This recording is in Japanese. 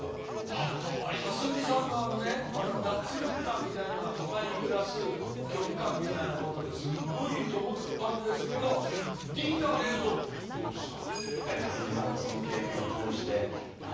あとは蓮見さんのあのねまた脱力感みたいのが都会に暮らす虚無感みたいなことですごいいいと思ったんですけどリーダーでいうとってことですか。